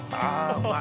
うまい。